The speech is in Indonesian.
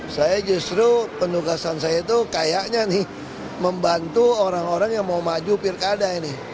saya justru penugasan saya itu kayaknya nih membantu orang orang yang mau maju pilkada ini